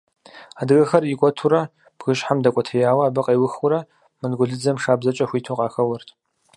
Адыгэхэр икӏуэтурэ бгыщхьэм дэкӏуэтеяуэ, абы къеухыурэ монголыдзэм шабзэкӏэ хуиту къахэуэрт.